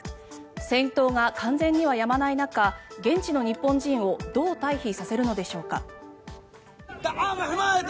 戦闘が完全にはやまない中現地の日本人をどう退避させるのでしょうか。